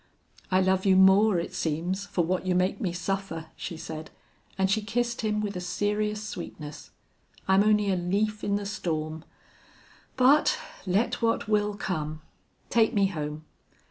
"I love you more, it seems, for what you make me suffer," she said, and she kissed him with a serious sweetness. "I'm only a leaf in the storm. But let what will come.... Take me home."